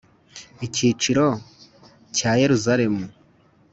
Icyiciro cya yeruzaremu